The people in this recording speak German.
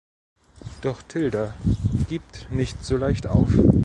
Doch Tilda gibt nicht so leicht auf.